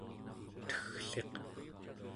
teggliq